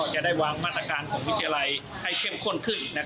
จะได้วางมาตรการของวิทยาลัยให้เข้มข้นขึ้น